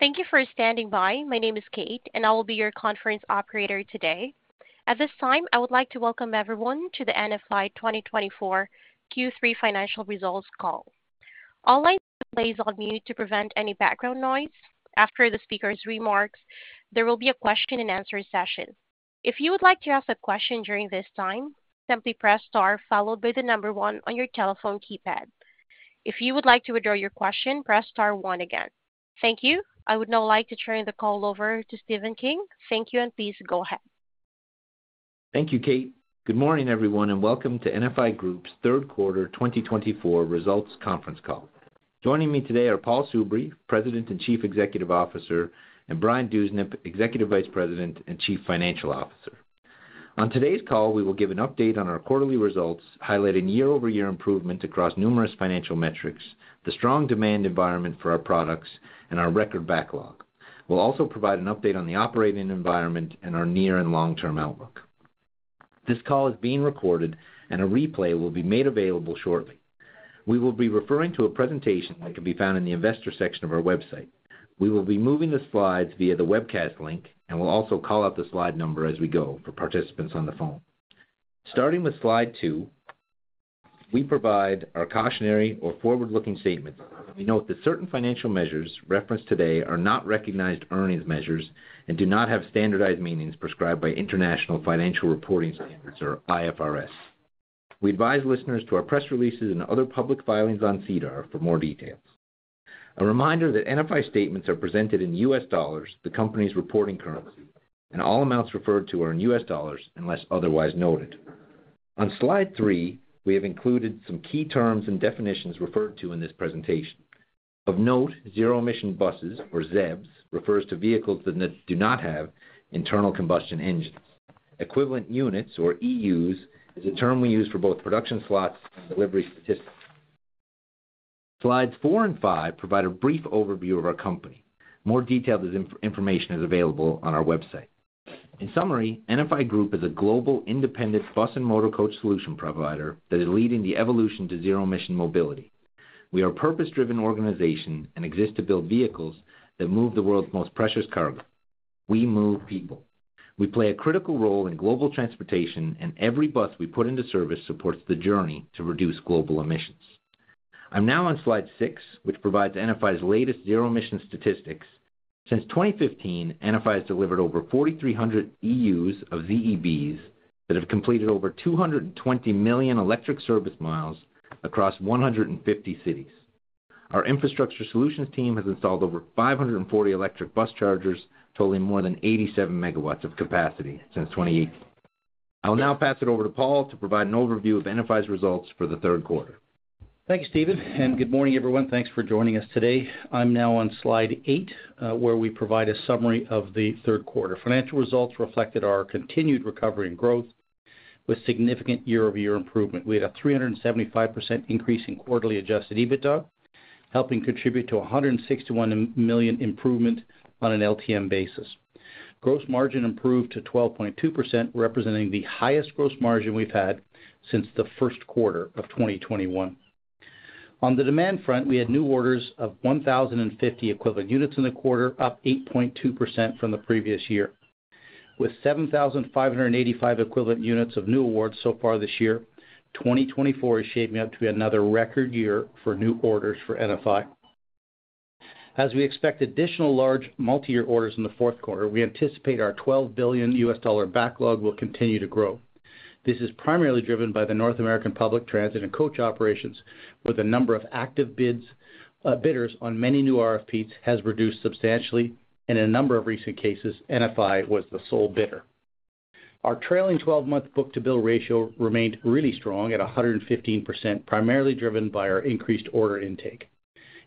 Thank you for standing by. My name is Kate, and I will be your conference operator today. At this time, I would like to welcome everyone to the NFI 2024 Q3 financial results call. All I need is to please unmute to prevent any background noise. After the speaker's remarks, there will be a question-and-answer session. If you would like to ask a question during this time, simply press star followed by the number one on your telephone keypad. If you would like to withdraw your question, press star one again. Thank you. I would now like to turn the call over to Stephen King. Thank you, and please go ahead. Thank you, Kate. Good morning, everyone, and welcome to NFI Group's third quarter 2024 results conference call. Joining me today are Paul Soubry, President and Chief Executive Officer, and Brian Dewsnup, Executive Vice President and Chief Financial Officer. On today's call, we will give an update on our quarterly results, highlighting year-over-year improvement across numerous financial metrics, the strong demand environment for our products, and our record backlog. We'll also provide an update on the operating environment and our near and long-term outlook. This call is being recorded, and a replay will be made available shortly. We will be referring to a presentation that can be found in the investor section of our website. We will be moving the slides via the webcast link, and we'll also call out the slide number as we go for participants on the phone. Starting with slide two, we provide our cautionary or forward-looking statements. We note that certain financial measures referenced today are not recognized earnings measures and do not have standardized meanings prescribed by International Financial Reporting Standards, or IFRS. We advise listeners to our press releases and other public filings on SEDAR+ for more details. A reminder that NFI statements are presented in U.S. dollars, the company's reporting currency, and all amounts referred to are in U.S. dollars unless otherwise noted. On slide three, we have included some key terms and definitions referred to in this presentation. Of note, zero-emission buses, or ZEBs, refers to vehicles that do not have internal combustion engines. Equivalent units, or EUs, is a term we use for both production slots and delivery statistics. Slides four and five provide a brief overview of our company. More detailed information is available on our website. In summary, NFI Group is a global independent bus and motor coach solution provider that is leading the evolution to zero-emission mobility. We are a purpose-driven organization and exist to build vehicles that move the world's most precious cargo. We move people. We play a critical role in global transportation, and every bus we put into service supports the journey to reduce global emissions. I'm now on slide six, which provides NFI's latest zero-emission statistics. Since 2015, NFI has delivered over 4,300 EUs of ZEBs that have completed over 220 million electric service miles across 150 cities. Our infrastructure solutions team has installed over 540 electric bus chargers totaling more than 87 megawatts of capacity since 2018. I'll now pass it over to Paul to provide an overview of NFI's results for the third quarter. Thank you, Stephen, and good morning, everyone. Thanks for joining us today. I'm now on slide eight, where we provide a summary of the third quarter. Financial results reflected our continued recovery and growth with significant year-over-year improvement. We had a 375% increase in quarterly adjusted EBITDA, helping contribute to 161 million improvement on an LTM basis. Gross margin improved to 12.2%, representing the highest gross margin we've had since the first quarter of 2021. On the demand front, we had new orders of 1,050 equivalent units in the quarter, up 8.2% from the previous year. With 7,585 equivalent units of new awards so far this year, 2024 is shaping up to be another record year for new orders for NFI. As we expect additional large multi-year orders in the fourth quarter, we anticipate our $12 billion backlog will continue to grow. This is primarily driven by the North American public transit and coach operations, where the number of active bidders on many new RFPs has reduced substantially, and in a number of recent cases, NFI was the sole bidder. Our trailing 12-month book-to-bill ratio remained really strong at 115%, primarily driven by our increased order intake.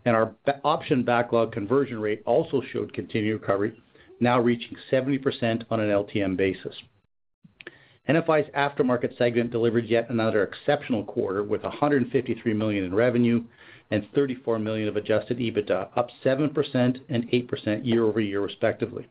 Our option backlog conversion rate also showed continued recovery, now reaching 70% on an LTM basis. NFI's aftermarket segment delivered yet another exceptional quarter with $153 million in revenue and $34 million of adjusted EBITDA, up 7% and 8% year-over-year, respectively.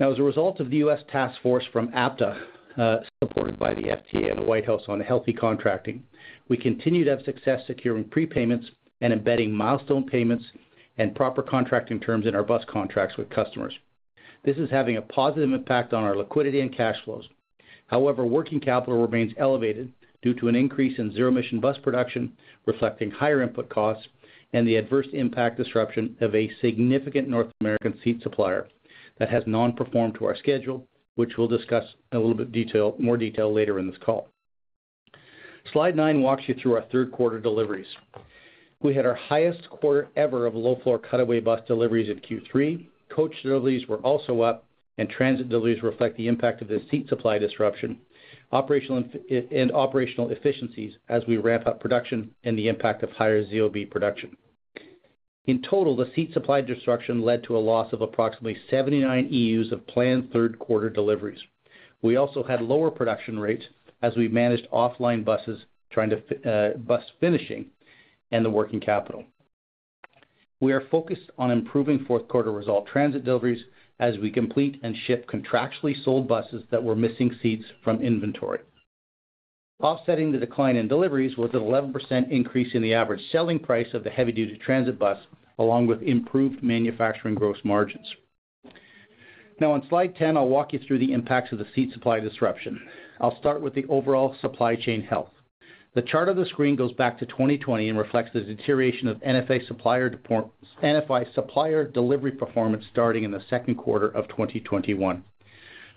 Now, as a result of the U.S. task force from APTA, supported by the FTA and the White House on healthy contracting, we continue to have success securing prepayments and embedding milestone payments and proper contracting terms in our bus contracts with customers. This is having a positive impact on our liquidity and cash flows. However, working capital remains elevated due to an increase in zero-emission bus production, reflecting higher input costs and the adverse impact, disruption of a significant North American seat supplier that has not performed to our schedule, which we'll discuss in a little bit more detail later in this call. Slide 9 walks you through our third quarter deliveries. We had our highest quarter ever of low-floor cutaway bus deliveries in Q3. Coach deliveries were also up, and transit deliveries reflect the impact of the seat supply disruption and operational efficiencies as we ramp up production and the impact of higher ZEB production. In total, the seat supply disruption led to a loss of approximately 79 EUs of planned third quarter deliveries. We also had lower production rates as we managed offline buses, bus finishing, and the working capital. We are focused on improving fourth quarter results transit deliveries as we complete and ship contractually sold buses that were missing seats from inventory. Offsetting the decline in deliveries was an 11% increase in the average selling price of the heavy-duty transit bus, along with improved manufacturing gross margins. Now, on slide 10, I'll walk you through the impacts of the seat supply disruption. I'll start with the overall supply chain health. The chart on the screen goes back to 2020 and reflects the deterioration of NFI supplier delivery performance starting in the second quarter of 2021.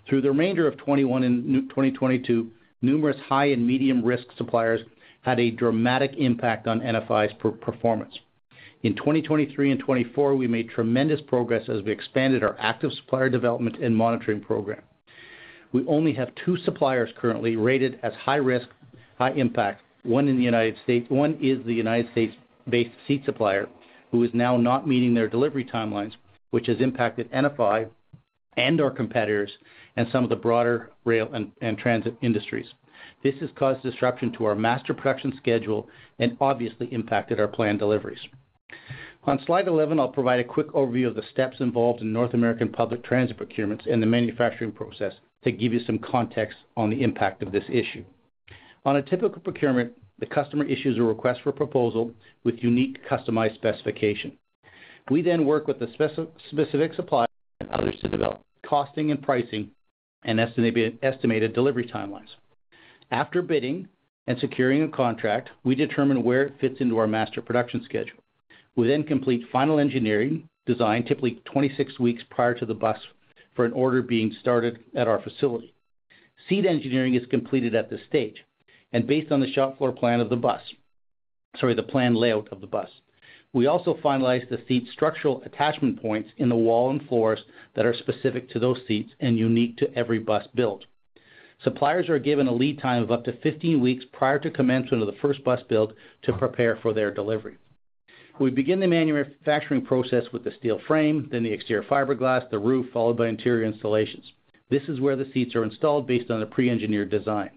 Through the remainder of 2021 and 2022, numerous high and medium-risk suppliers had a dramatic impact on NFI's performance. In 2023 and 2024, we made tremendous progress as we expanded our active supplier development and monitoring program. We only have two suppliers currently rated as high risk, high impact. One is the United States-based seat supplier, who is now not meeting their delivery timelines, which has impacted NFI and our competitors and some of the broader rail and transit industries. This has caused disruption to our master production schedule and obviously impacted our planned deliveries. On slide 11, I'll provide a quick overview of the steps involved in North American public transit procurements and the manufacturing process to give you some context on the impact of this issue. On a typical procurement, the customer issues a request for proposal with unique customized specification. We then work with the specific supplier and others to develop costing and pricing and estimated delivery timelines. After bidding and securing a contract, we determine where it fits into our master production schedule. We then complete final engineering design, typically 26 weeks prior to the bus, for an order being started at our facility. Seat engineering is completed at this stage and based on the shop floor plan of the bus, sorry, the planned layout of the bus. We also finalize the seat structural attachment points in the wall and floors that are specific to those seats and unique to every bus built. Suppliers are given a lead time of up to 15 weeks prior to commencement of the first bus build to prepare for their delivery. We begin the manufacturing process with the steel frame, then the exterior fiberglass, the roof, followed by interior installations. This is where the seats are installed based on a pre-engineered design.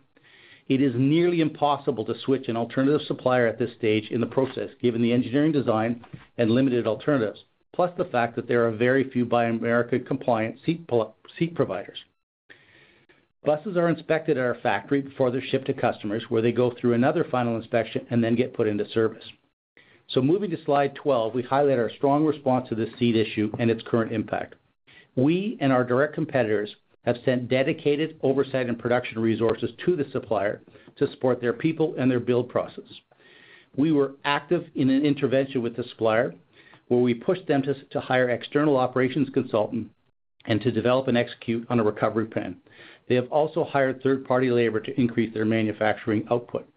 It is nearly impossible to switch an alternative supplier at this stage in the process, given the engineering design and limited alternatives, plus the fact that there are very few Buy America-compliant seat providers. Buses are inspected at our factory before they're shipped to customers, where they go through another final inspection and then get put into service. So moving to slide 12, we highlight our strong response to this seat issue and its current impact. We and our direct competitors have sent dedicated oversight and production resources to the supplier to support their people and their build process. We were active in an intervention with the supplier, where we pushed them to hire external operations consultants and to develop and execute on a recovery plan. They have also hired third-party labor to increase their manufacturing output.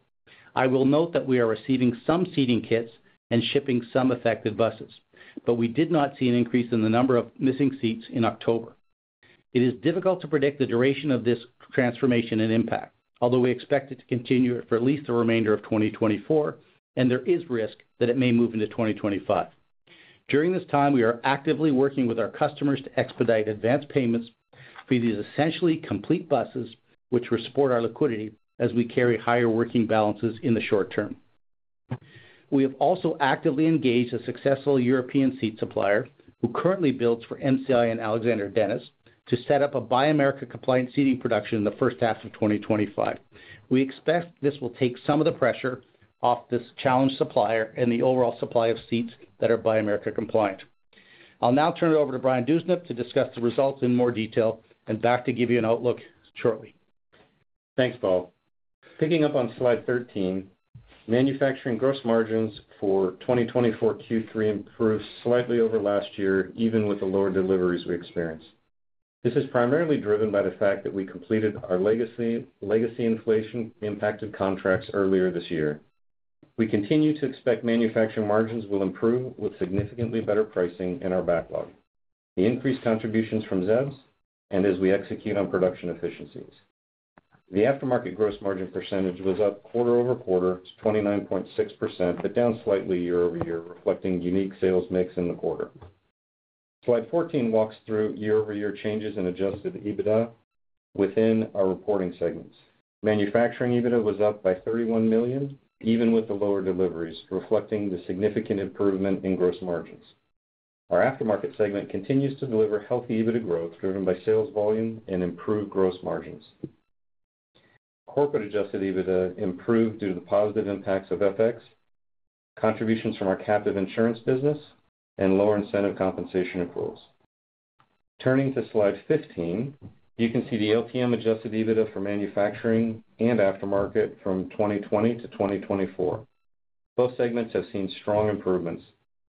I will note that we are receiving some seating kits and shipping some affected buses, but we did not see an increase in the number of missing seats in October. It is difficult to predict the duration of this transformation and impact, although we expect it to continue for at least the remainder of 2024, and there is risk that it may move into 2025. During this time, we are actively working with our customers to expedite advanced payments for these essentially complete buses, which will support our liquidity as we carry higher working balances in the short term. We have also actively engaged a successful European seat supplier who currently builds for MCI and Alexander Dennis to set up a Buy America-compliant seating production in the first half of 2025. We expect this will take some of the pressure off this challenged supplier and the overall supply of seats that are Buy America-compliant. I'll now turn it over to Brian Dewsnup to discuss the results in more detail and back to give you an outlook shortly. Thanks, Paul. Picking up on slide 13, manufacturing gross margins for 2024 Q3 improved slightly over last year, even with the lower deliveries we experienced. This is primarily driven by the fact that we completed our legacy inflation-impacted contracts earlier this year. We continue to expect manufacturing margins will improve with significantly better pricing in our backlog, the increased contributions from ZEBs, and as we execute on production efficiencies. The aftermarket gross margin percentage was up quarter-over-quarter to 29.6%, but down slightly year-over-year, reflecting unique sales mix in the quarter. Slide 14 walks through year-over-year changes in adjusted EBITDA within our reporting segments. Manufacturing EBITDA was up by 31 million, even with the lower deliveries, reflecting the significant improvement in gross margins. Our aftermarket segment continues to deliver healthy EBITDA growth driven by sales volume and improved gross margins. Corporate adjusted EBITDA improved due to the positive impacts of FX, contributions from our captive insurance business, and lower incentive compensation accruals. Turning to slide 15, you can see the LTM adjusted EBITDA for manufacturing and aftermarket from 2020 to 2024. Both segments have seen strong improvements,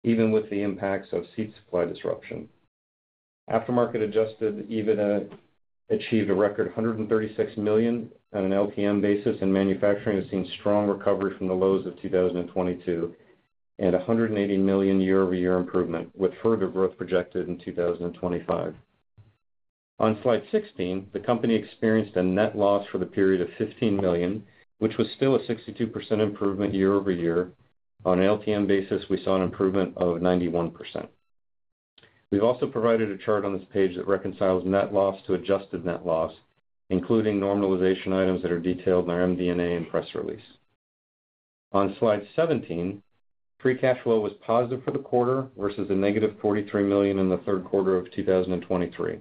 even with the impacts of seat supply disruption. Aftermarket adjusted EBITDA achieved a record $136 million on an LTM basis, and manufacturing has seen strong recovery from the lows of 2022 and $180 million year-over-year improvement, with further growth projected in 2025. On slide 16, the company experienced a net loss for the period of $15 million, which was still a 62% improvement year-over-year. On an LTM basis, we saw an improvement of 91%. We've also provided a chart on this page that reconciles net loss to adjusted net loss, including normalization items that are detailed in our MD&A and press release. On slide 17, free cash flow was positive for the quarter versus a negative $43 million in the third quarter of 2023.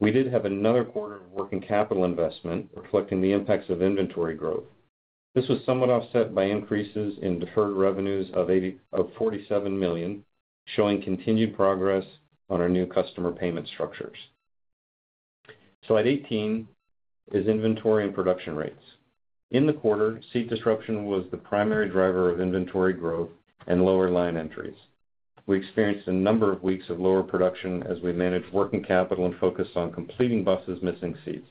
We did have another quarter of working capital investment reflecting the impacts of inventory growth. This was somewhat offset by increases in deferred revenues of $47 million, showing continued progress on our new customer payment structures. Slide 18 is inventory and production rates. In the quarter, seat disruption was the primary driver of inventory growth and lower line entries. We experienced a number of weeks of lower production as we managed working capital and focused on completing buses missing seats.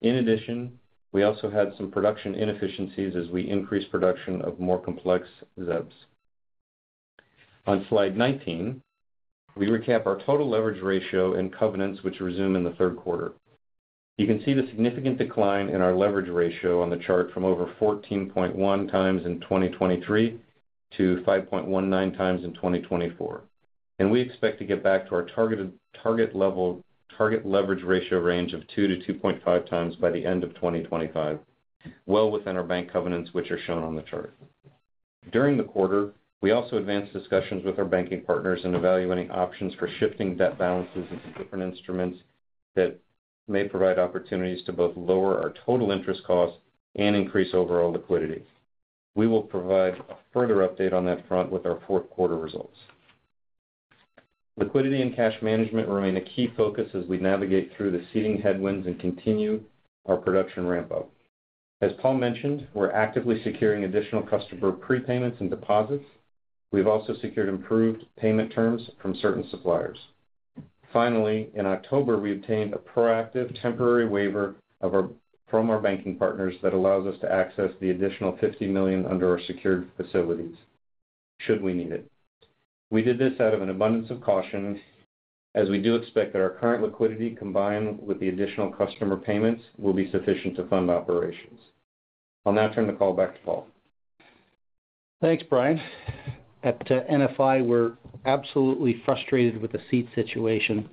In addition, we also had some production inefficiencies as we increased production of more complex ZEBs. On slide 19, we recap our total leverage ratio and covenants, which resume in the third quarter. You can see the significant decline in our leverage ratio on the chart from over 14.1x in 2023 to 5.19x in 2024, and we expect to get back to our target leverage ratio range of 2-2.5x by the end of 2025, well within our bank covenants, which are shown on the chart. During the quarter, we also advanced discussions with our banking partners in evaluating options for shifting debt balances into different instruments that may provide opportunities to both lower our total interest costs and increase overall liquidity. We will provide a further update on that front with our fourth quarter results. Liquidity and cash management remain a key focus as we navigate through the seating headwinds and continue our production ramp-up. As Paul mentioned, we're actively securing additional customer prepayments and deposits. We've also secured improved payment terms from certain suppliers. Finally, in October, we obtained a proactive temporary waiver from our banking partners that allows us to access the additional $50 million under our secured facilities, should we need it. We did this out of an abundance of caution, as we do expect that our current liquidity, combined with the additional customer payments, will be sufficient to fund operations. I'll now turn the call back to Paul. Thanks, Brian. At NFI, we're absolutely frustrated with the seat situation,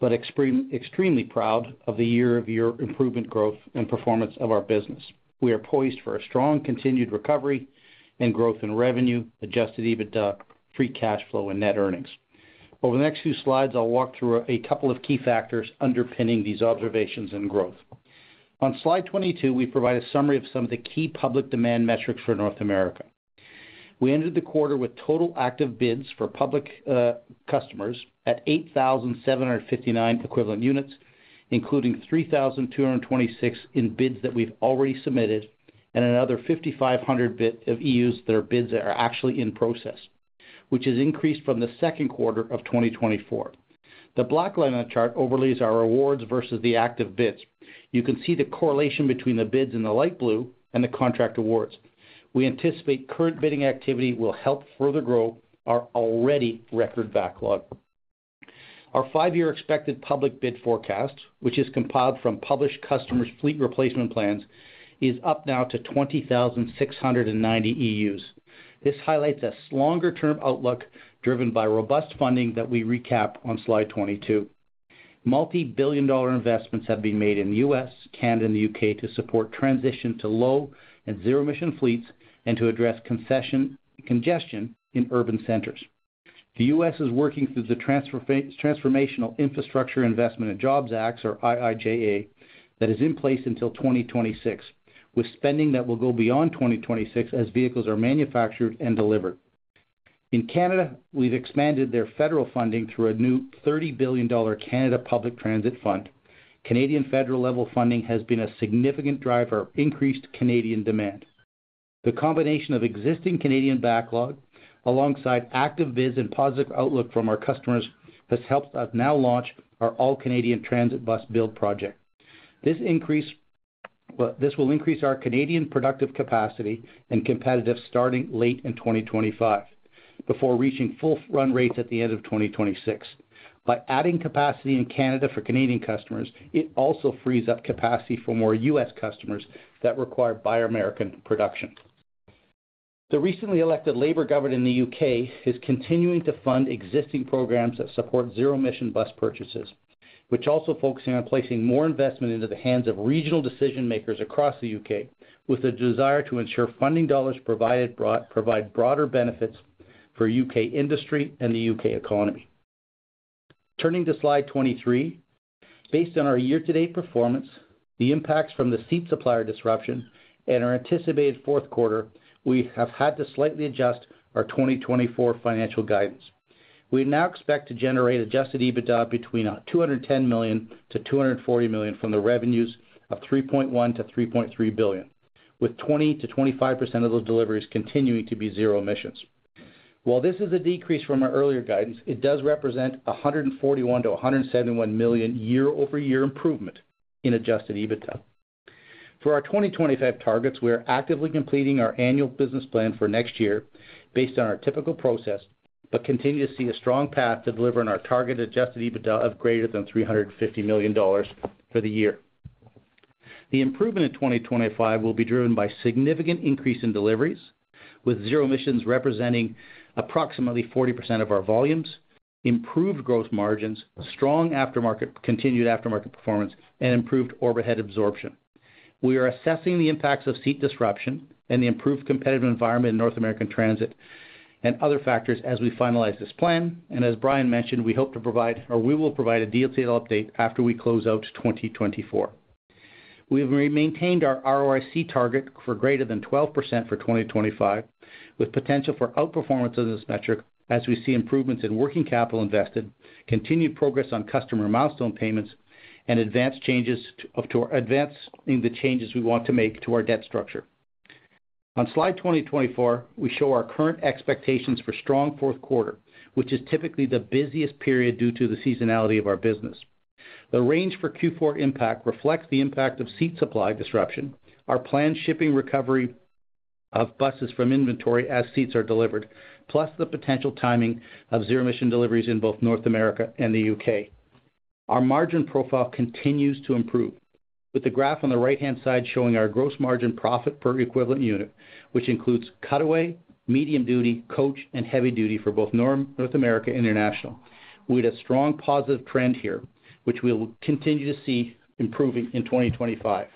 but extremely proud of the year-over-year improvement, growth, and performance of our business. We are poised for a strong continued recovery and growth in revenue, adjusted EBITDA, Free Cash Flow, and net earnings. Over the next few slides, I'll walk through a couple of key factors underpinning these observations and growth. On slide 22, we provide a summary of some of the key public demand metrics for North America. We ended the quarter with total active bids for public customers at 8,759 equivalent units, including 3,226 in bids that we've already submitted and another 5,500 bids of EUs that are bids that are actually in process, which is increased from the second quarter of 2024. The black line on the chart overlays our awards versus the active bids. You can see the correlation between the bids in the light blue and the contract awards. We anticipate current bidding activity will help further grow our already record backlog. Our five-year expected public bid forecast, which is compiled from published customers' fleet replacement plans, is up now to 20,690 EUs. This highlights a longer-term outlook driven by robust funding that we recap on slide 22. Multi-billion-dollar investments have been made in the U.S., Canada, and the U.K. to support transition to low and zero-emission fleets and to address congestion in urban centers. The U.S. is working through the Infrastructure Investment and Jobs Act, or IIJA, that is in place until 2026, with spending that will go beyond 2026 as vehicles are manufactured and delivered. In Canada, we've expanded their federal funding through a new $30 billion Canada Public Transit Fund. Canadian federal-level funding has been a significant driver of increased Canadian demand. The combination of existing Canadian backlog alongside active bids and positive outlook from our customers has helped us now launch our all-Canadian transit bus build project. This will increase our Canadian productive capacity and competitiveness starting late in 2025 before reaching full run rates at the end of 2026. By adding capacity in Canada for Canadian customers, it also frees up capacity for more U.S. customers that require Buy America production. The recently elected Labour government in the U.K. is continuing to fund existing programs that support zero-emission bus purchases, which also focuses on placing more investment into the hands of regional decision-makers across the U.K., with a desire to ensure funding dollars provide broader benefits for U.K. industry and the U.K. economy. Turning to slide 23, based on our year-to-date performance, the impacts from the seat supplier disruption, and our anticipated fourth quarter, we have had to slightly adjust our 2024 financial guidance. We now expect to generate adjusted EBITDA between $210 million and $240 million from the revenues of $3.1 billion-$3.3 billion, with 20%-25% of those deliveries continuing to be zero emissions. While this is a decrease from our earlier guidance, it does represent $141 million-$171 million year-over-year improvement in adjusted EBITDA. For our 2025 targets, we are actively completing our annual business plan for next year based on our typical process, but continue to see a strong path to delivering our targeted adjusted EBITDA of greater than $350 million for the year. The improvement in 2025 will be driven by a significant increase in deliveries, with zero emissions representing approximately 40% of our volumes, improved gross margins, strong continued aftermarket performance, and improved overhead absorption. We are assessing the impacts of seat disruption and the improved competitive environment in North American transit and other factors as we finalize this plan, and as Brian mentioned, we hope to provide, or we will provide, a detailed update after we close out 2024. We have maintained our ROIC target for greater than 12% for 2025, with potential for outperformance on this metric as we see improvements in working capital invested, continued progress on customer milestone payments, and advancing the changes we want to make to our debt structure. On slide 24, we show our current expectations for a strong fourth quarter, which is typically the busiest period due to the seasonality of our business. The range for Q4 impact reflects the impact of seat supply disruption, our planned shipping recovery of buses from inventory as seats are delivered, plus the potential timing of zero-emission deliveries in both North America and the U.K. Our margin profile continues to improve, with the graph on the right-hand side showing our gross margin profit per equivalent unit, which includes cutaway, medium duty, coach, and heavy duty for both North America and international. We had a strong positive trend here, which we will continue to see improving in 2025.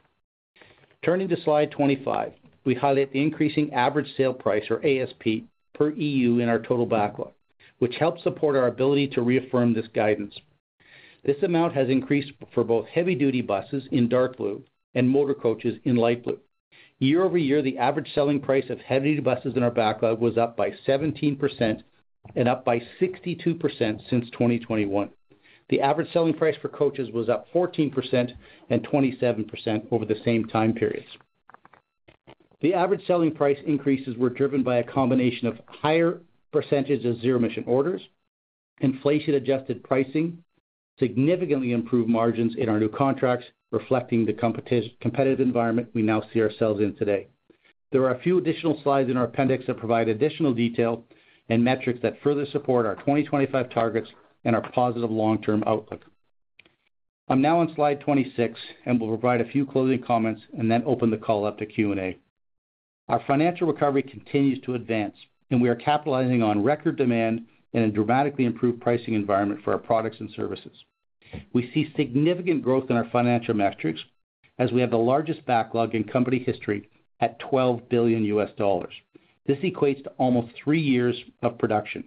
Turning to slide 25, we highlight the increasing average sale price, or ASP, per EU in our total backlog, which helps support our ability to reaffirm this guidance. This amount has increased for both heavy-duty buses in dark blue and motor coaches in light blue. Year-over-year, the average selling price of heavy-duty buses in our backlog was up by 17% and up by 62% since 2021. The average selling price for coaches was up 14% and 27% over the same time periods. The average selling price increases were driven by a combination of higher percentages of zero-emission orders, inflation-adjusted pricing, significantly improved margins in our new contracts, reflecting the competitive environment we now see ourselves in today. There are a few additional slides in our appendix that provide additional detail and metrics that further support our 2025 targets and our positive long-term outlook. I'm now on slide 26 and will provide a few closing comments and then open the call up to Q&A. Our financial recovery continues to advance, and we are capitalizing on record demand in a dramatically improved pricing environment for our products and services. We see significant growth in our financial metrics as we have the largest backlog in company history at $12 billion. This equates to almost three years of production.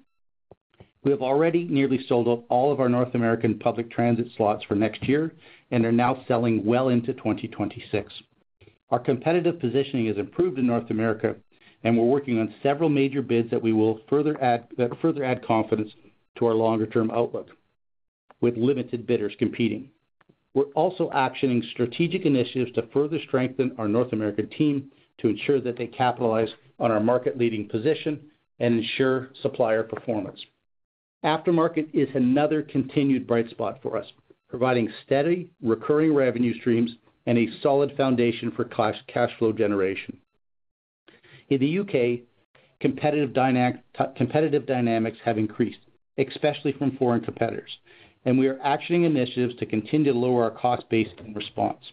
We have already nearly sold all of our North American public transit slots for next year and are now selling well into 2026. Our competitive positioning has improved in North America, and we're working on several major bids that will further add confidence to our longer-term outlook, with limited bidders competing. We're also actioning strategic initiatives to further strengthen our North American team to ensure that they capitalize on our market-leading position and ensure supplier performance. Aftermarket is another continued bright spot for us, providing steady recurring revenue streams and a solid foundation for cash flow generation. In the U.K., competitive dynamics have increased, especially from foreign competitors, and we are actioning initiatives to continue to lower our cost base in response.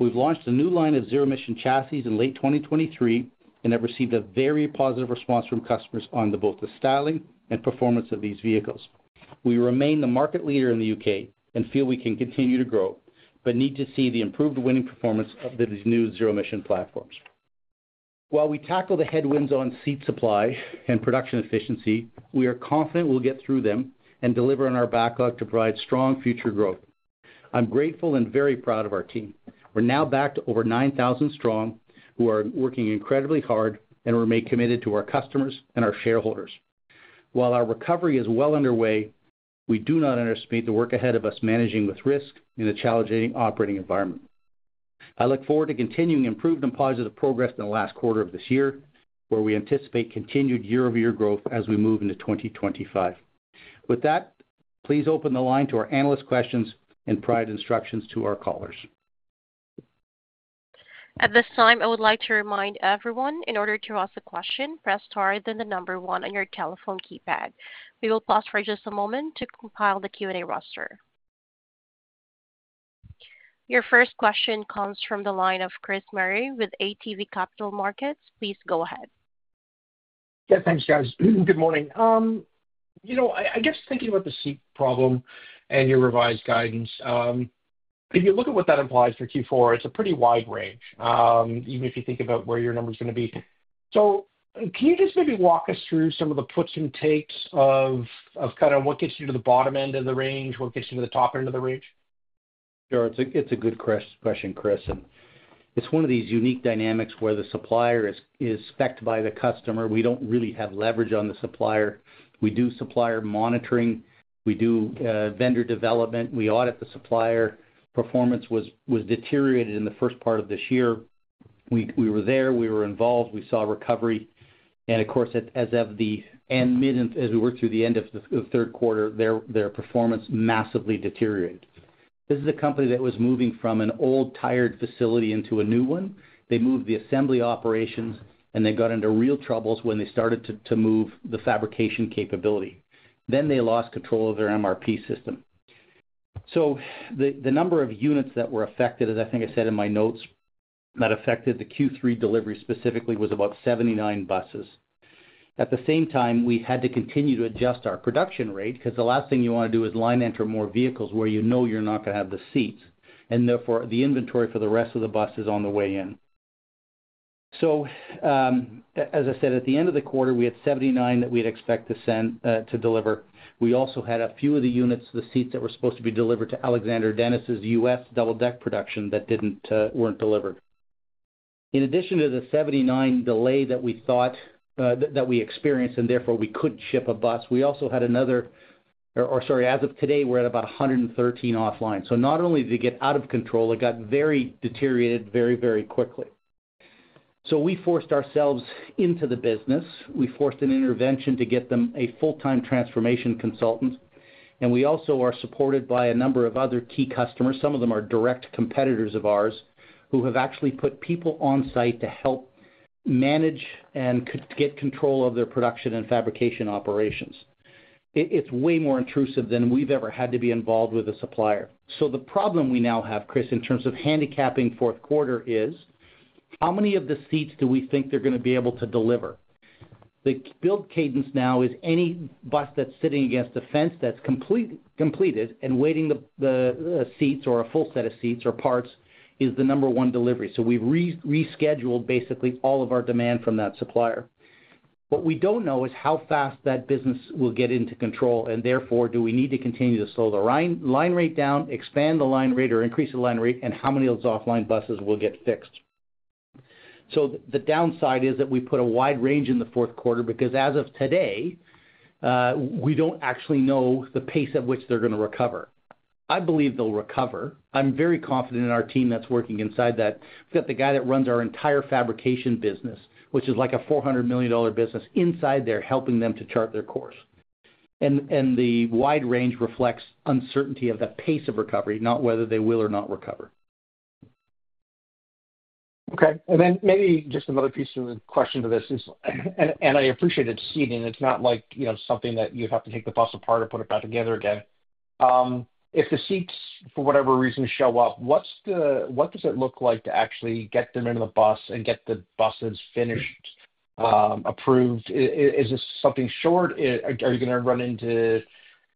We've launched a new line of zero-emission chassis in late 2023 and have received a very positive response from customers on both the styling and performance of these vehicles. We remain the market leader in the U.K. and feel we can continue to grow, but need to see the improved winning performance of these new zero-emission platforms. While we tackle the headwinds on seat supply and production efficiency, we are confident we'll get through them and deliver on our backlog to provide strong future growth. I'm grateful and very proud of our team. We're now back to over 9,000 strong who are working incredibly hard and remain committed to our customers and our shareholders. While our recovery is well underway, we do not underestimate the work ahead of us managing with risk in a challenging operating environment. I look forward to continuing improved and positive progress in the last quarter of this year, where we anticipate continued year-over-year growth as we move into 2025. With that, please open the line to our analyst questions and provide instructions to our callers. At this time, I would like to remind everyone, in order to ask a question, press star and then the number one on your telephone keypad. We will pause for just a moment to compile the Q and A roster. Your first question comes from the line of Chris Murray with ATB Capital Markets. Please go ahead. Yeah, thanks, guys. Good morning. You know, I guess thinking about the seat problem and your revised guidance, if you look at what that implies for Q4, it's a pretty wide range, even if you think about where your number is going to be. So can you just maybe walk us through some of the puts and takes of kind of what gets you to the bottom end of the range, what gets you to the top end of the range? Sure. It's a good question, Chris. And it's one of these unique dynamics where the supplier is spec'd by the customer. We don't really have leverage on the supplier. We do supplier monitoring. We do vendor development. We audit the supplier. Performance was deteriorated in the first part of this year. We were there. We were involved. We saw recovery. And of course, as of the end, mid and as we worked through the end of the third quarter, their performance massively deteriorated. This is a company that was moving from an old, tired facility into a new one. They moved the assembly operations, and they got into real troubles when they started to move the fabrication capability. Then they lost control of their MRP system. So the number of units that were affected, as I think I said in my notes, that affected the Q3 delivery specifically was about 79 buses. At the same time, we had to continue to adjust our production rate because the last thing you want to do is line enter more vehicles where you know you're not going to have the seats, and therefore he inventory for the rest of the bus is on the way in. So as I said, at the end of the quarter, we had 79 that we'd expect to send to deliver. We also had a few of the units, the seats that were supposed to be delivered to Alexander Dennis' U.S. double deck production that weren't delivered. In addition to the 79 delay that we thought that we experienced and therefore we could ship a bus, we also had another, or sorry, as of today, we're at about 113 offline, so not only did it get out of control, it got very deteriorated very, very quickly, so we forced ourselves into the business. We forced an intervention to get them a full-time transformation consultant, and we also are supported by a number of other key customers. Some of them are direct competitors of ours who have actually put people on site to help manage and get control of their production and fabrication operations. It's way more intrusive than we've ever had to be involved with a supplier, so the problem we now have, Chris, in terms of handicapping fourth quarter is how many of the seats do we think they're going to be able to deliver? The build cadence now is any bus that's sitting against a fence that's completed and waiting for the seats or a full set of seats or parts is the number one delivery. So we've rescheduled basically all of our demand from that supplier. What we don't know is how fast that business will get under control, and therefore do we need to continue to slow the line rate down, expand the line rate, or increase the line rate, and how many of those offline buses will get fixed? So the downside is that we put a wide range in the fourth quarter because as of today, we don't actually know the pace at which they're going to recover. I believe they'll recover. I'm very confident in our team that's working inside that. We've got the guy that runs our entire fabrication business, which is like a $400 million business inside there helping them to chart their course, and the wide range reflects uncertainty of the pace of recovery, not whether they will or not recover. Okay. And then maybe just another piece of the question to this is, and I appreciate it, seeing it's not like something that you have to take the bus apart and put it back together again. If the seats, for whatever reason, show up, what does it look like to actually get them into the bus and get the buses finished, approved? Is this something short? Are you going to run into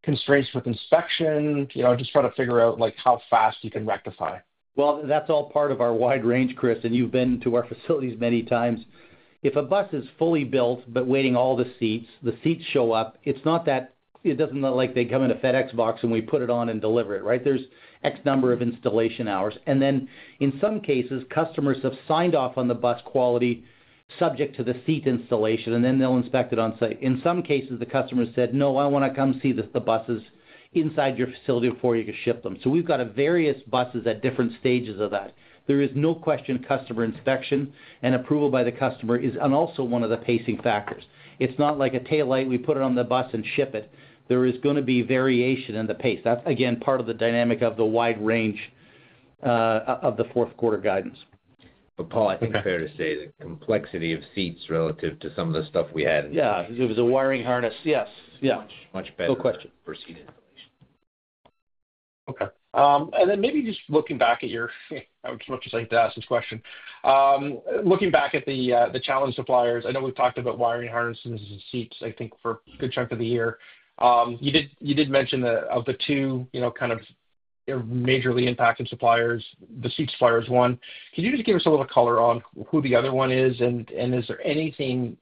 constraints with inspection? Just try to figure out how fast you can rectify. Well, that's all part of our wide range, Chris, and you've been to our facilities many times. If a bus is fully built but waiting for all the seats, the seats show up. It's not that it doesn't look like they come in a FedEx box and we put it on and deliver it, right? There's X number of installation hours, and then in some cases, customers have signed off on the bus quality subject to the seat installation, and then they'll inspect it on site. In some cases, the customer said, "No, I want to come see the buses inside your facility before you can ship them." So we've got various buses at different stages of that. There is no question customer inspection and approval by the customer is also one of the pacing factors. It's not like a taillight. We put it on the bus and ship it. There is going to be variation in the pace. That's, again, part of the dynamic of the wide range of the fourth quarter guidance. But Paul, I think it's fair to say the complexity of seats relative to some of the stuff we had. Yeah. It was a wiring harness. Yes. Yeah. Much better. No question. For seat installation. Okay. And then maybe just looking back at your, I would just like to ask this question. Looking back at the challenge suppliers, I know we've talked about wiring harnesses and seats, I think, for a good chunk of the year. You did mention that of the two kind of majorly impacted suppliers, the seat supplier is one. Can you just give us a little color on who the other one is, and is there anything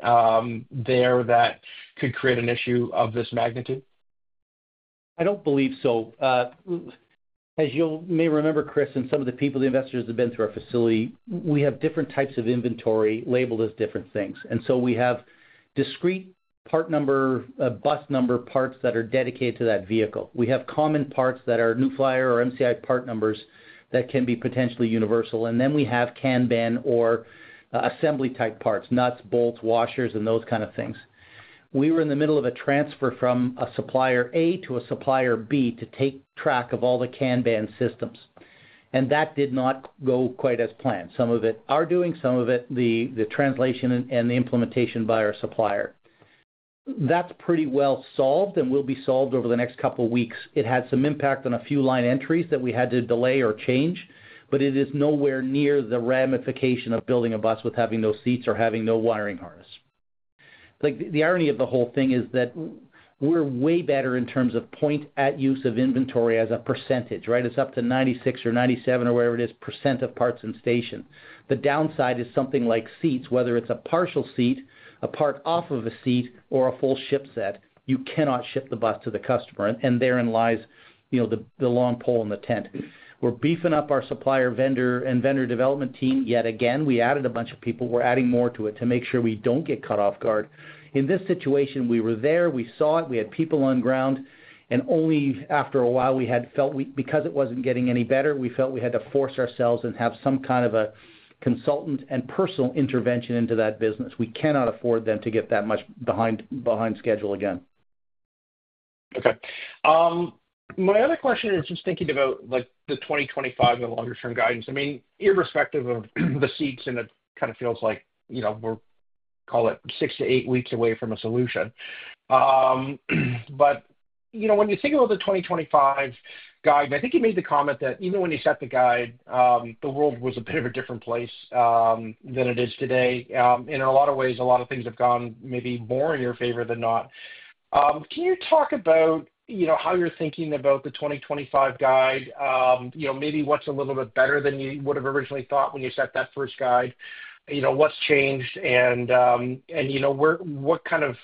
there that could create an issue of this magnitude? I don't believe so. As you may remember, Chris, and some of the people, the investors have been through our facility. We have different types of inventory labeled as different things. And so we have discrete part number, bus number parts that are dedicated to that vehicle. We have common parts that are New Flyer or MCI part numbers that can be potentially universal. And then we have Kanban or assembly type parts, nuts, bolts, washers, and those kind of things. We were in the middle of a transfer from a supplier A to a supplier B to keep track of all the Kanban systems. And that did not go quite as planned. Some of it our doing, some of it the translation and the implementation by our supplier. That's pretty well solved and will be solved over the next couple of weeks. It had some impact on a few line entries that we had to delay or change, but it is nowhere near the ramification of building a bus with having no seats or having no wiring harness. The irony of the whole thing is that we're way better in terms of point of use of inventory as a percentage, right? It's up to 96 or 97 or whatever it is, percent of parts in station. The downside is something like seats, whether it's a partial seat, a part off of a seat, or a full ship set; you cannot ship the bus to the customer, and therein lies the long pole in the tent. We're beefing up our supplier vendor and vendor development team. Yet again, we added a bunch of people. We're adding more to it to make sure we don't get caught off guard. In this situation, we were there. We saw it. We had people on the ground, and only after a while we had felt because it wasn't getting any better, we felt we had to force ourselves and have some kind of a consultant and personal intervention into that business. We cannot afford them to get that much behind schedule again. Okay. My other question is just thinking about the 2025 and longer-term guidance. I mean, irrespective of the seats and it kind of feels like we're, call it, six to eight weeks away from a solution. But when you think about the 2025 guide, I think you made the comment that even when you set the guide, the world was a bit of a different place than it is today. And in a lot of ways, a lot of things have gone maybe more in your favor than not. Can you talk about how you're thinking about the 2025 guide? Maybe what's a little bit better than you would have originally thought when you set that first guide? What's changed? And what kind of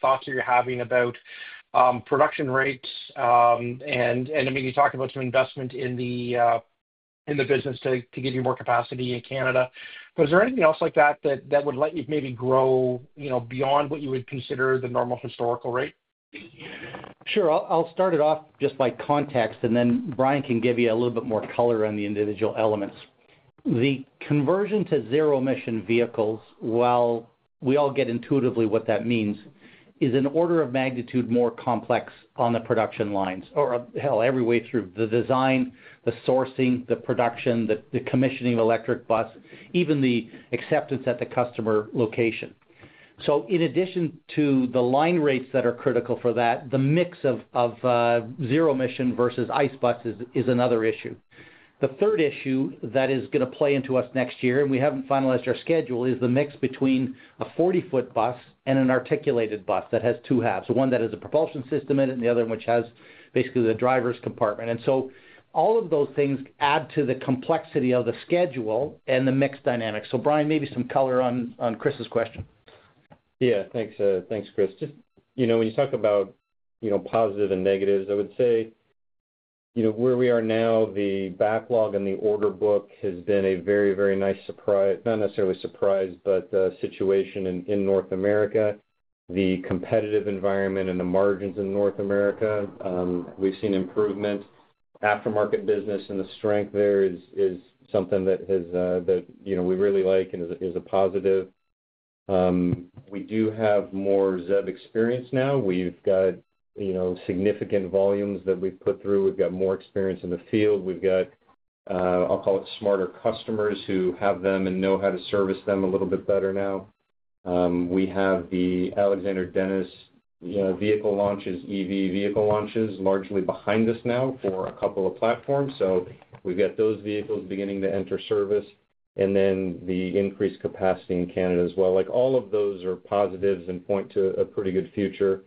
thoughts are you having about production rates? And I mean, you talked about some investment in the business to give you more capacity in Canada. But is there anything else like that that would let you maybe grow beyond what you would consider the normal historical rate? Sure. I'll start it off just by context, and then Brian can give you a little bit more color on the individual elements. The conversion to zero-emission vehicles, while we all get intuitively what that means, is an order of magnitude more complex on the production lines, or hell, every way through the design, the sourcing, the production, the commissioning of electric bus, even the acceptance at the customer location. So in addition to the line rates that are critical for that, the mix of zero-emission versus ICE buses is another issue. The third issue that is going to play into us next year, and we haven't finalized our schedule, is the mix between a 40-foot bus and an articulated bus that has two halves. One that has a propulsion system in it and the other one which has basically the driver's compartment. And so all of those things add to the complexity of the schedule and the mixed dynamics. So Brian, maybe some color on Chris's question. Yeah. Thanks, Chris. Just when you talk about positives and negatives, I would say where we are now, the backlog in the order book has been a very, very nice surprise, not necessarily surprise, but situation in North America, the competitive environment and the margins in North America. We've seen improvement. Aftermarket business and the strength there is something that we really like and is a positive. We do have more ZEB experience now. We've got significant volumes that we've put through. We've got more experience in the field. We've got, I'll call it, smarter customers who have them and know how to service them a little bit better now. We have the Alexander Dennis vehicle launches, EV vehicle launches, largely behind us now for a couple of platforms. So we've got those vehicles beginning to enter service, and then the increased capacity in Canada as well. All of those are positives and point to a pretty good future.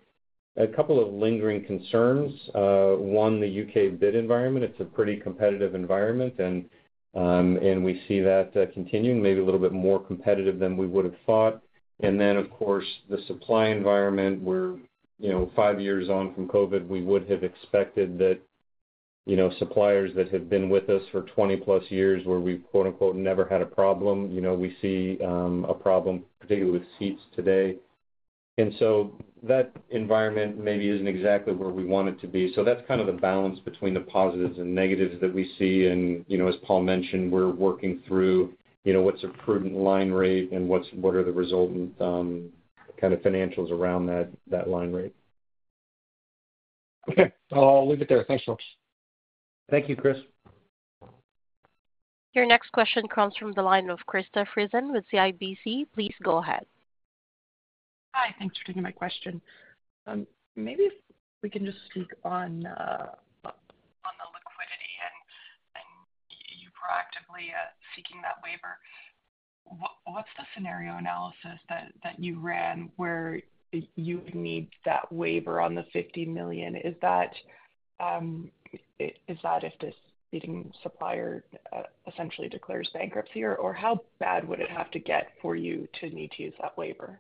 A couple of lingering concerns. One, the UK bid environment. It's a pretty competitive environment, and we see that continuing, maybe a little bit more competitive than we would have thought. And then, of course, the supply environment. We're five years on from COVID. We would have expected that suppliers that have been with us for 20+ years where we've "never had a problem." We see a problem, particularly with seats today. And so that environment maybe isn't exactly where we want it to be. So that's kind of the balance between the positives and negatives that we see. And as Paul mentioned, we're working through what's a prudent line rate and what are the resultant kind of financials around that line rate. Okay. I'll leave it there. Thanks, folks. Thank you, Chris. Your next question comes from the line of Krista Friesen with CIBC. Please go ahead. Hi. Thanks for taking my question. Maybe if we can just speak on the liquidity and you proactively seeking that waiver? What's the scenario analysis that you ran where you would need that waiver on the $50 million? Is that if the seating supplier essentially declares bankruptcy, or how bad would it have to get for you to need to use that waiver?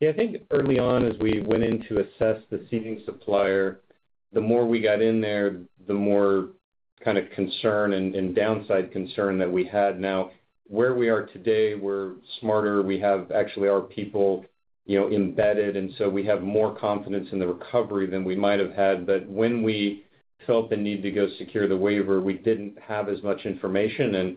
Yeah. I think early on, as we went in to assess the seating supplier, the more we got in there, the more kind of concern and downside concern that we had. Now, where we are today, we're smarter. We have actually our people embedded, and so we have more confidence in the recovery than we might have had. But when we felt the need to go secure the waiver, we didn't have as much information and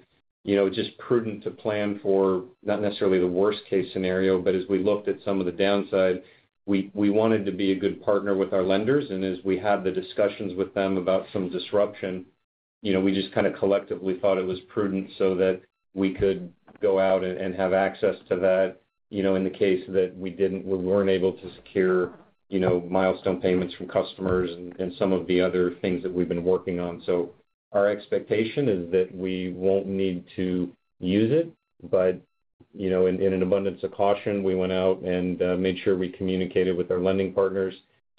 just prudent to plan for not necessarily the worst-case scenario, but as we looked at some of the downside, we wanted to be a good partner with our lenders. And as we had the discussions with them about some disruption, we just kind of collectively thought it was prudent so that we could go out and have access to that in the case that we weren't able to secure milestone payments from customers and some of the other things that we've been working on. So our expectation is that we won't need to use it, but in an abundance of caution, we went out and made sure we communicated with our lending partners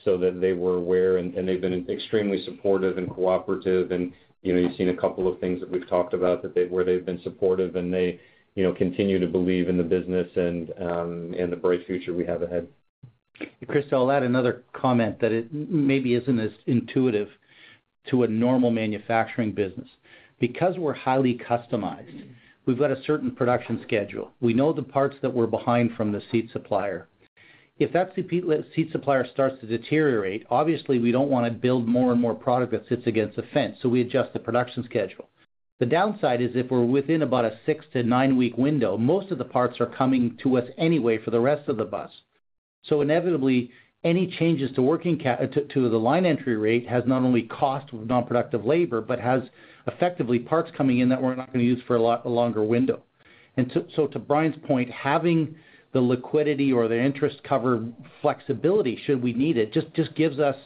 so that they were aware, and they've been extremely supportive and cooperative. And you've seen a couple of things that we've talked about where they've been supportive, and they continue to believe in the business and the bright future we have ahead. Kris, I'll add another comment that maybe isn't as intuitive to a normal manufacturing business. Because we're highly customized, we've got a certain production schedule. We know the parts that we're behind from the seat supplier. If that seat supplier starts to deteriorate, obviously, we don't want to build more and more product that sits against a fence, so we adjust the production schedule. The downside is if we're within about a six- to nine-week window, most of the parts are coming to us anyway for the rest of the bus. So inevitably, any changes to the line entry rate has not only cost with nonproductive labor but has effectively parts coming in that we're not going to use for a longer window, and so to Brian's point, having the liquidity or the interest cover flexibility should we need it just gives us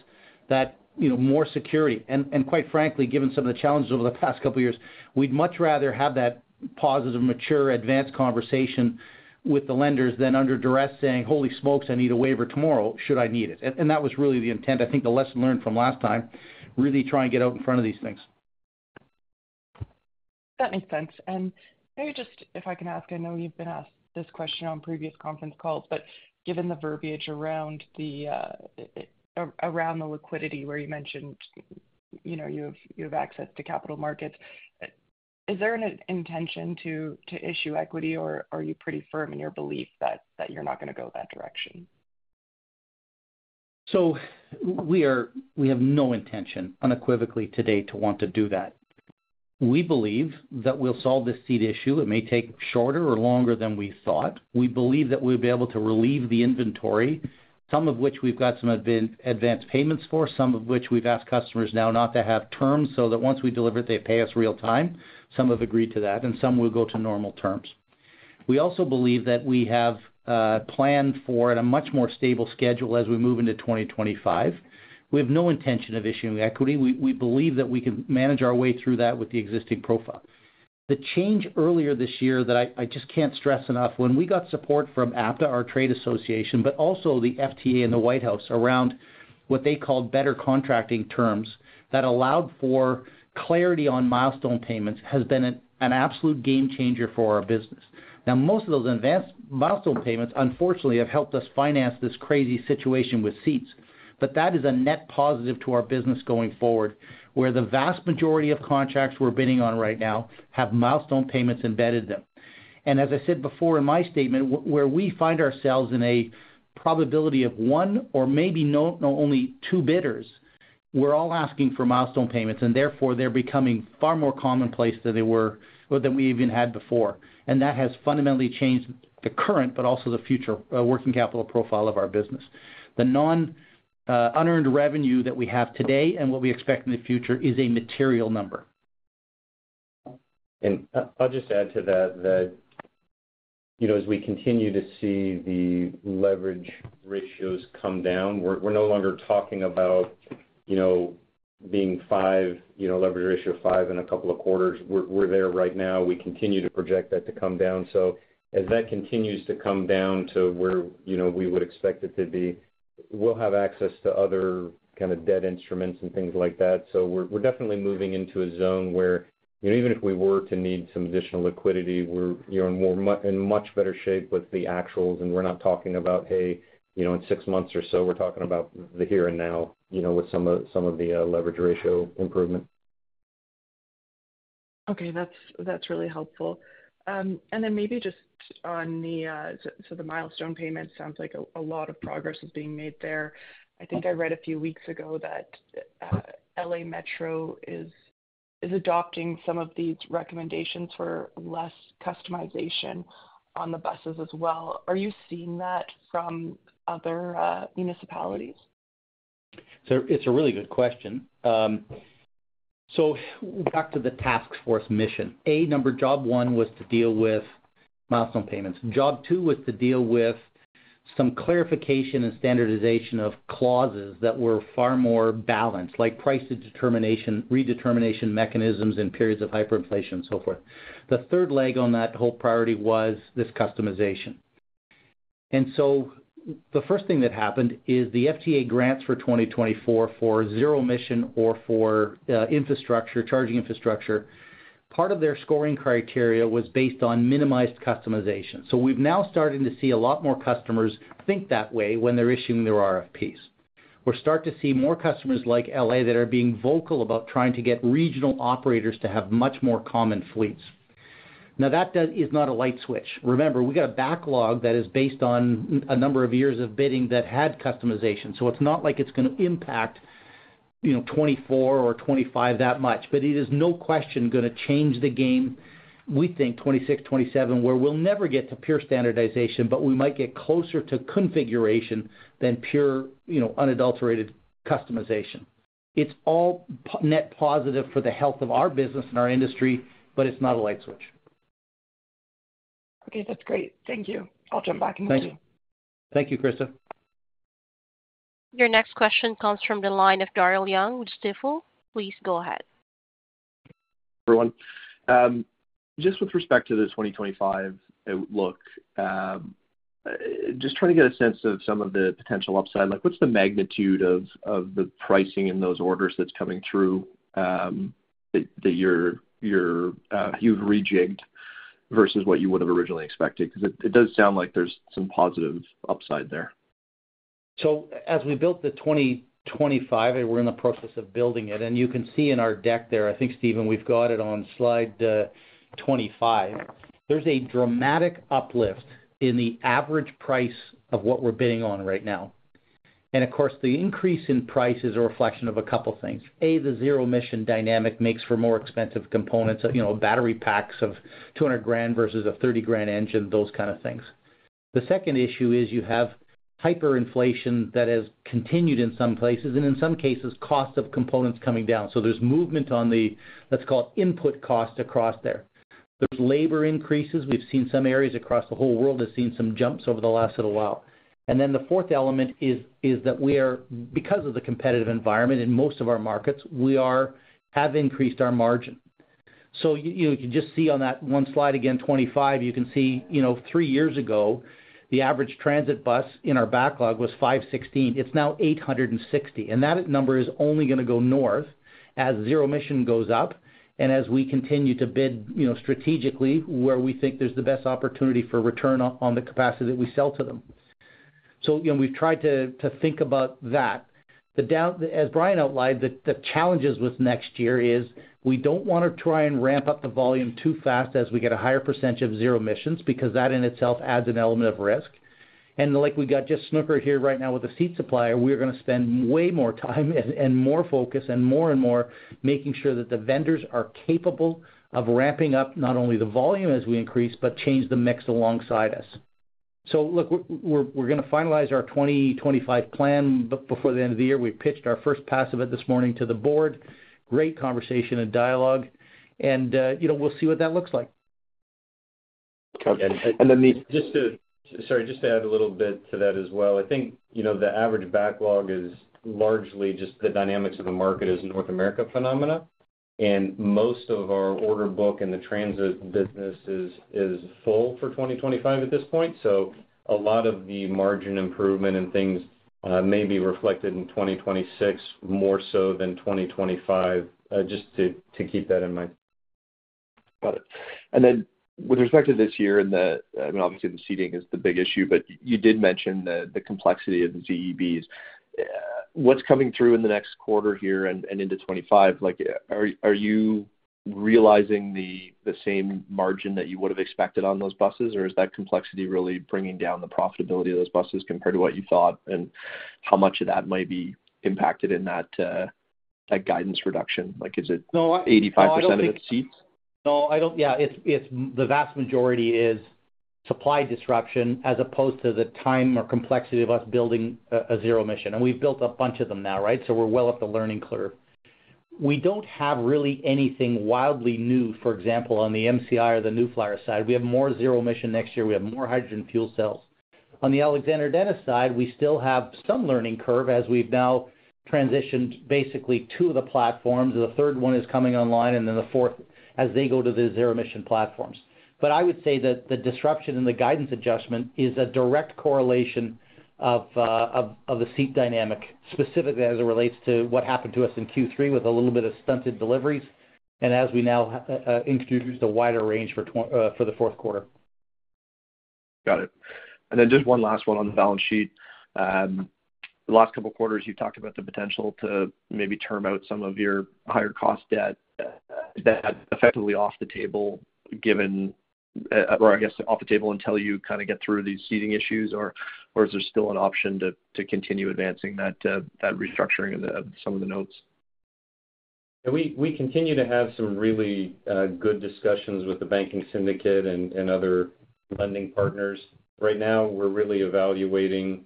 that more security. Quite frankly, given some of the challenges over the past couple of years, we'd much rather have that positive, mature, advanced conversation with the lenders than under duress saying, "Holy smokes, I need a waiver tomorrow. Should I need it?" That was really the intent. I think the lesson learned from last time, really try and get out in front of these things. That makes sense. And maybe just if I can ask, I know you've been asked this question on previous conference calls, but given the verbiage around the liquidity where you mentioned you have access to capital markets, is there an intention to issue equity, or are you pretty firm in your belief that you're not going to go that direction? So we have no intention, unequivocally today, to want to do that. We believe that we'll solve this seat issue. It may take shorter or longer than we thought. We believe that we'll be able to relieve the inventory, some of which we've got some advanced payments for, some of which we've asked customers now not to have terms so that once we deliver it, they pay us real-time. Some have agreed to that, and some will go to normal terms. We also believe that we have planned for a much more stable schedule as we move into 2025. We have no intention of issuing equity. We believe that we can manage our way through that with the existing profile. The change earlier this year that I just can't stress enough, when we got support from APTA, our trade association, but also the FTA and the White House around what they called better contracting terms that allowed for clarity on milestone payments, has been an absolute game changer for our business. Now, most of those advanced milestone payments, unfortunately, have helped us finance this crazy situation with seats. But that is a net positive to our business going forward, where the vast majority of contracts we're bidding on right now have milestone payments embedded in them. And as I said before in my statement, where we find ourselves in a probability of one or maybe only two bidders, we're all asking for milestone payments, and therefore, they're becoming far more commonplace than they were or that we even had before. And that has fundamentally changed the current, but also the future working capital profile of our business. The unearned revenue that we have today and what we expect in the future is a material number. I'll just add to that that as we continue to see the leverage ratios come down, we're no longer talking about being leverage ratio five in a couple of quarters. We're there right now. We continue to project that to come down. As that continues to come down to where we would expect it to be, we'll have access to other kind of debt instruments and things like that. We're definitely moving into a zone where even if we were to need some additional liquidity, we're in much better shape with the actuals, and we're not talking about, "Hey, in six months or so," we're talking about the here and now with some of the leverage ratio improvement. Okay. That's really helpful. And then maybe just on the so the milestone payments sounds like a lot of progress is being made there. I think I read a few weeks ago that LA Metro is adopting some of these recommendations for less customization on the buses as well. Are you seeing that from other municipalities? So it's a really good question. So back to the task force mission. A number, job one was to deal with milestone payments. Job two was to deal with some clarification and standardization of clauses that were far more balanced, like price redetermination mechanisms and periods of hyperinflation and so forth. The third leg on that whole priority was this customization. And so the first thing that happened is the FTA grants for 2024 for zero-emission or for charging infrastructure, part of their scoring criteria was based on minimized customization. So we've now started to see a lot more customers think that way when they're issuing their RFPs. We're starting to see more customers like LA that are being vocal about trying to get regional operators to have much more common fleets. Now, that is not a light switch. Remember, we've got a backlog that is based on a number of years of bidding that had customization. So it's not like it's going to impact 2024 or 2025 that much, but it is no question going to change the game, we think, 2026, 2027, where we'll never get to pure standardization, but we might get closer to configuration than pure unadulterated customization. It's all net positive for the health of our business and our industry, but it's not a light switch. Okay. That's great. Thank you. I'll jump back and see. Thank you, Krista. Your next question comes from the line of Daryl Young with Stifel. Please go ahead. Everyone. Just with respect to the 2025 look, just trying to get a sense of some of the potential upside, what's the magnitude of the pricing in those orders that's coming through that you've rejigged versus what you would have originally expected? Because it does sound like there's some positive upside there. As we built the 2025, we're in the process of building it. You can see in our deck there, I think, Stephen. We've got it on slide 25. There's a dramatic uplift in the average price of what we're bidding on right now. Of course, the increase in price is a reflection of a couple of things. A, the zero-emission dynamic makes for more expensive components, battery packs of $200,000 versus a $30,000 engine, those kind of things. The second issue is you have hyperinflation that has continued in some places, and in some cases, cost of components coming down. There's movement on the, let's call it, input cost across there. There's labor increases. We've seen some areas across the whole world have seen some jumps over the last little while. And then the fourth element is that we are, because of the competitive environment in most of our markets, we have increased our margin. So you can just see on that one slide again, 2025, you can see three years ago, the average transit bus in our backlog was 516. It's now 860. And that number is only going to go north as zero-emission goes up and as we continue to bid strategically where we think there's the best opportunity for return on the capacity that we sell to them. So we've tried to think about that. As Brian outlined, the challenges with next year is we don't want to try and ramp up the volume too fast as we get a higher percentage of zero-emissions because that in itself adds an element of risk. And, like, we got just snookered here right now with the seat supplier. We're going to spend way more time and more focus and more and more making sure that the vendors are capable of ramping up not only the volume as we increase but change the mix alongside us. So look, we're going to finalize our 2025 plan before the end of the year. We pitched our first pass of it this morning to the board. Great conversation and dialogue. And we'll see what that looks like. Then just to—sorry, just to add a little bit to that as well. I think the average backlog is largely just the dynamics of the market as North America phenomena. Most of our order book and the transit business is full for 2025 at this point. So a lot of the margin improvement and things may be reflected in 2026 more so than 2025, just to keep that in mind. Got it. Then with respect to this year, I mean, obviously, the seating is the big issue, but you did mention the complexity of the ZEBs. What's coming through in the next quarter here and into 2025? Are you realizing the same margin that you would have expected on those buses, or is that complexity really bringing down the profitability of those buses compared to what you thought and how much of that might be impacted in that guidance reduction? Is it 85% of the seats? No, yeah, the vast majority is supply disruption as opposed to the time or complexity of us building a zero-emission. And we've built a bunch of them now, right? So we're well up the learning curve. We don't have really anything wildly new, for example, on the MCI or the New Flyer side. We have more zero-emission next year. We have more hydrogen fuel cells. On the Alexander Dennis side, we still have some learning curve as we've now transitioned basically two of the platforms. The third one is coming online, and then the fourth as they go to the zero-emission platforms. But I would say that the disruption in the guidance adjustment is a direct correlation of the seat dynamic, specifically as it relates to what happened to us in Q3 with a little bit of stunted deliveries and as we now introduce the wider range for the fourth quarter. Got it. And then just one last one on the balance sheet. The last couple of quarters, you talked about the potential to maybe term out some of your higher cost debt effectively off the table, given or I guess off the table until you kind of get through these seating issues, or is there still an option to continue advancing that restructuring of some of the notes? We continue to have some really good discussions with the banking syndicate and other lending partners. Right now, we're really evaluating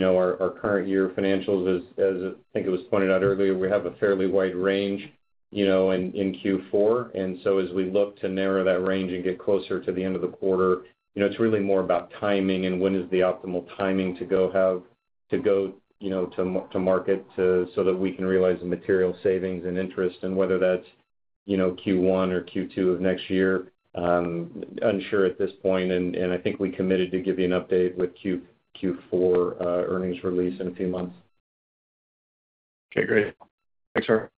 our current year financials. As I think it was pointed out earlier, we have a fairly wide range in Q4, so as we look to narrow that range and get closer to the end of the quarter, it's really more about timing and when is the optimal timing to go to market so that we can realize the material savings and interest, and whether that's Q1 or Q2 of next year. Unsure at this point. I think we committed to giving an update with Q4 earnings release in a few months. Okay. Great. Thanks, sir.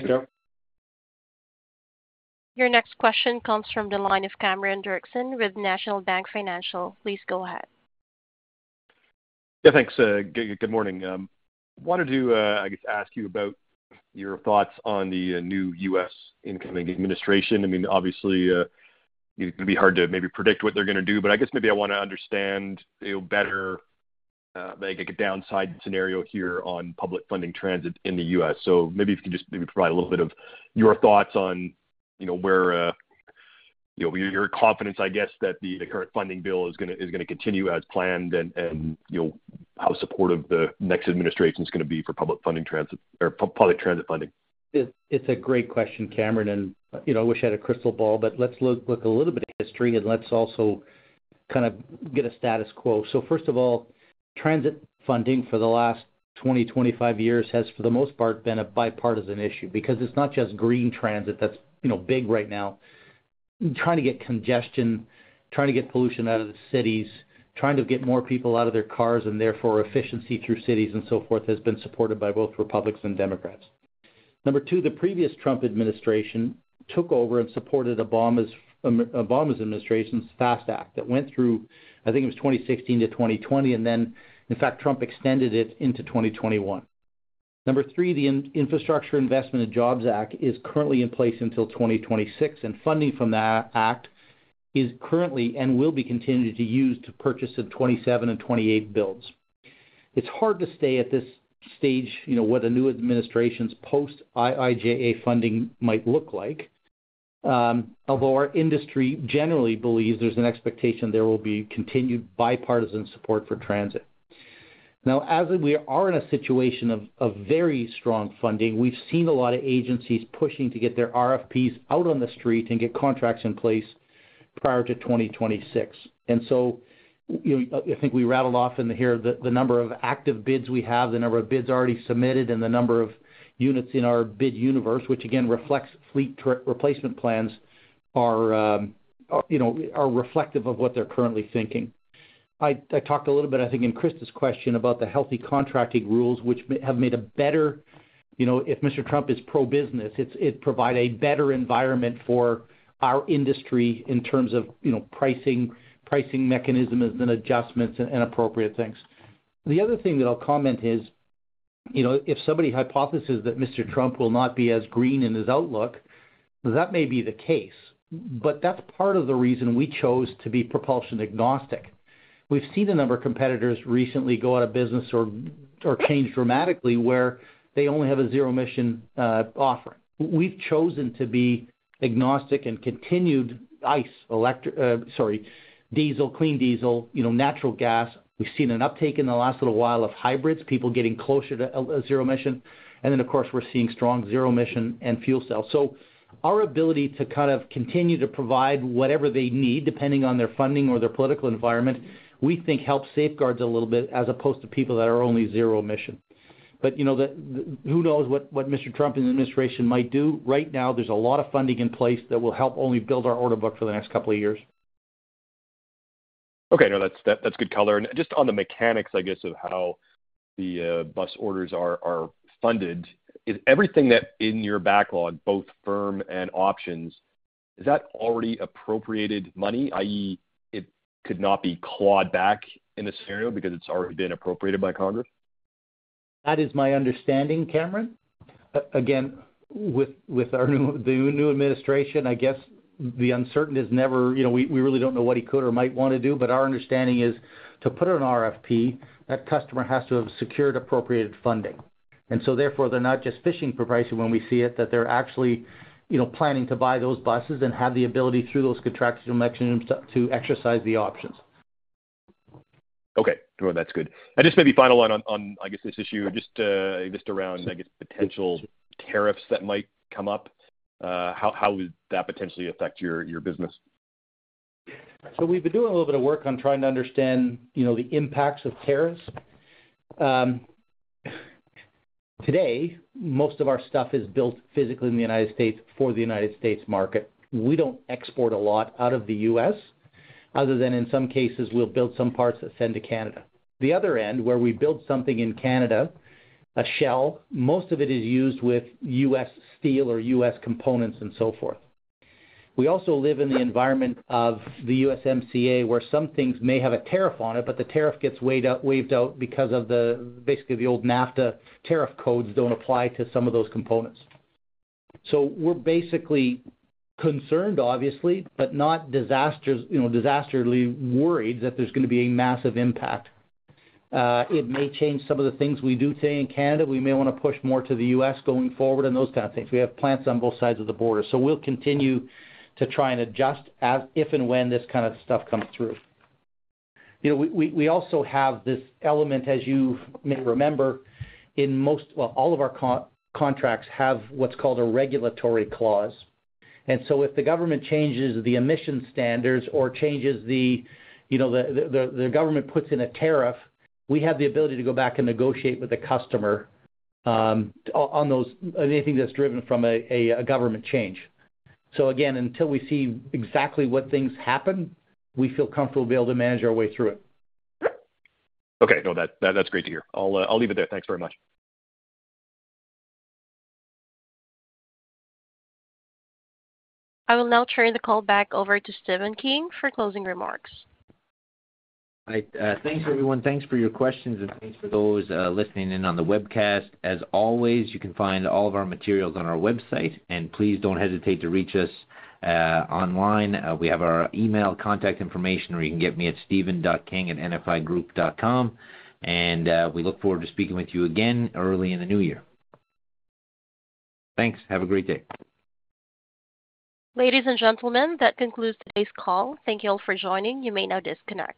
Thanks, Joe. Your next question comes from the line of Cameron Doerksen with National Bank Financial. Please go ahead. Yeah. Thanks. Good morning. I wanted to, I guess, ask you about your thoughts on the new U.S. incoming administration. I mean, obviously, it's going to be hard to maybe predict what they're going to do, but I guess maybe I want to understand better a downside scenario here on public funding transit in the U.S. So maybe if you could just maybe provide a little bit of your thoughts on where your confidence, I guess, that the current funding bill is going to continue as planned and how supportive the next administration is going to be for public funding transit or public transit funding? It's a great question, Cameron, and I wish I had a crystal ball, but let's look a little bit of history and let's also kind of get a status quo. First of all, transit funding for the last 20-25 years has, for the most part, been a bipartisan issue because it's not just green transit that's big right now. Trying to get congestion, trying to get pollution out of the cities, trying to get more people out of their cars, and therefore, efficiency through cities and so forth has been supported by both Republicans and Democrats. Number two, the previous Trump administration took over and supported Obama's administration's FAST Act that went through, I think it was 2016-2020, and then, in fact, Trump extended it into 2021. Number three, the Infrastructure Investment and Jobs Act is currently in place until 2026, and funding from that act is currently and will be continued to use to purchase the 2027 and 2028 builds. It's hard to say at this stage what a new administration's post-IIJA funding might look like, although our industry generally believes there's an expectation there will be continued bipartisan support for transit. Now, as we are in a situation of very strong funding, we've seen a lot of agencies pushing to get their RFPs out on the street and get contracts in place prior to 2026. And so I think we rattled off in here the number of active bids we have, the number of bids already submitted, and the number of units in our bid universe, which again reflects fleet replacement plans are reflective of what they're currently thinking. I talked a little bit, I think, in Krista's question about the healthy contracting rules, which have made a better—if Mr. Trump is pro-business, it provides a better environment for our industry in terms of pricing mechanisms and adjustments and appropriate things. The other thing that I'll comment is if somebody hypothesizes that Mr. Trump will not be as green in his outlook, that may be the case, but that's part of the reason we chose to be propulsion agnostic. We've seen a number of competitors recently go out of business or change dramatically where they only have a zero-emission offering. We've chosen to be agnostic and continued ICE, sorry, diesel, clean diesel, natural gas. We've seen an uptake in the last little while of hybrids, people getting closer to a zero-emission. And then, of course, we're seeing strong zero-emission and fuel cells. So our ability to kind of continue to provide whatever they need, depending on their funding or their political environment, we think helps safeguard a little bit as opposed to people that are only zero-emission. But who knows what Mr. Trump and the administration might do? Right now, there's a lot of funding in place that will help only build our order book for the next couple of years. Okay. No, that's good color and just on the mechanics, I guess, of how the bus orders are funded, is everything that's in your backlog, both firm and options, is that already appropriated money, i.e., it could not be clawed back in this scenario because it's already been appropriated by Congress? That is my understanding, Cameron. Again, with the new administration, I guess the uncertainty is never, we really don't know what he could or might want to do, but our understanding is to put an RFP, that customer has to have secured appropriated funding. And so therefore, they're not just fishing for price when we see it, that they're actually planning to buy those buses and have the ability through those contractual mechanisms to exercise the options. Okay. No, that's good, and just maybe final one on, I guess, this issue, just around, I guess, potential tariffs that might come up. How would that potentially affect your business? So we've been doing a little bit of work on trying to understand the impacts of tariffs. Today, most of our stuff is built physically in the United States for the United States market. We don't export a lot out of the U.S. other than in some cases, we'll build some parts that send to Canada. The other end, where we build something in Canada, a shell, most of it is used with U.S. steel or U.S. components and so forth. We also live in the environment of the USMCA where some things may have a tariff on it, but the tariff gets waived out because of basically the old NAFTA tariff codes don't apply to some of those components. So we're basically concerned, obviously, but not disastrously worried that there's going to be a massive impact. It may change some of the things we do today in Canada. We may want to push more to the U.S. going forward and those kind of things. We have plants on both sides of the border. So we'll continue to try and adjust if and when this kind of stuff comes through. We also have this element, as you may remember, in most, well, all of our contracts have what's called a regulatory clause. And so if the government changes the emission standards or changes the government puts in a tariff, we have the ability to go back and negotiate with the customer on anything that's driven from a government change. So again, until we see exactly what things happen, we feel comfortable to be able to manage our way through it. Okay. No, that's great to hear. I'll leave it there. Thanks very much. I will now turn the call back over to Stephen King for closing remarks. Thanks, everyone. Thanks for your questions, and thanks for those listening in on the webcast. As always, you can find all of our materials on our website, and please don't hesitate to reach us online. We have our email contact information, or you can get me at Stephen.King@nfigroup.com, and we look forward to speaking with you again early in the new year. Thanks. Have a great day. Ladies and gentlemen, that concludes today's call. Thank you all for joining. You may now disconnect.